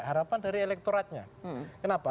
harapan dari elektoratnya kenapa